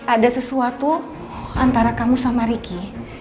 ada sesuatu antara kamu sama ricky